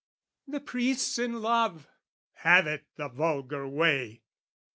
"The priest's in love," have it the vulgar way!